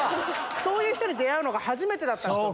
そういう人に出会うのが初めてだったんですよ。